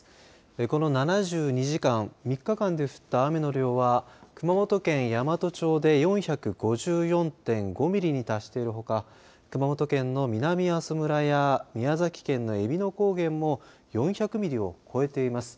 この７２時間３日間で降った雨の量は熊本県山都町で４５４．５ミリに達しているほか熊本県の南阿蘇村や宮崎県のえびの高原も４００ミリを超えています。